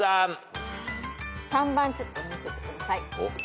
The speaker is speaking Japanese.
３番ちょっと見せてください。